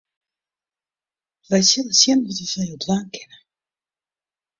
Wy sille sjen wat we foar jo dwaan kinne.